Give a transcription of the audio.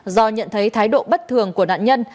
do nhận thấy thái độ bất thường của nạn nhân